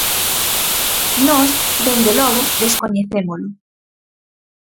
Nós, dende logo, descoñecémolo.